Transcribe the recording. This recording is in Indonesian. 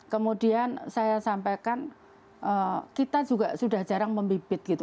kemudian saya sampaikan kita juga sudah jarang membibit gitu